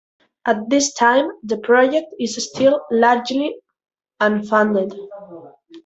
At this time the project is still largely unfunded.